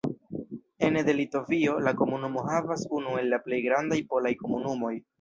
Ene de Litovio, la komunumo havas unu el la plej grandaj polaj komunumoj.